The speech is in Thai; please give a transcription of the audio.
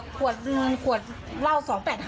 เป็นขวด๑ขวดเล่า๒๘๕